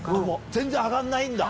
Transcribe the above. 全然上がんないんだ。